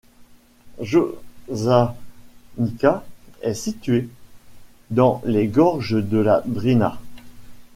Jošanica est située dans les gorges de la Drina.